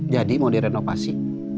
jadi mau direnovasi